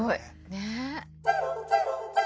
ねえ。